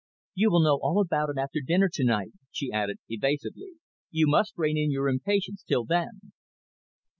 "You will know all about it after dinner to night," she added evasively. "You must rein in your impatience till then."